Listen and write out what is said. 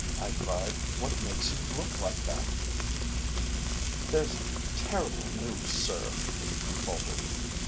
I cried. "What makes you look like that?" "There's terrible news, sir," he faltered.